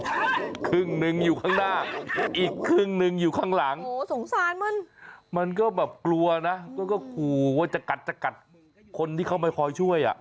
อีกครึ่งหนึ่งอยู่ข้างหน้าอีกครึ่งหนึ่งอยู่ข้างหลังมันก็แบบกลัวนะก็กลัวว่าจะกัดคนที่เข้ามาคอยช่วย